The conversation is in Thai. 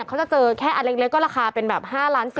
เขาจะเจอแค่อันเล็กก็ราคาเป็น๕ล้าน๑๐ล้าน